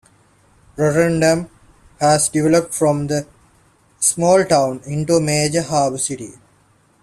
Rotterdam has developed from a small town into a major harbour city.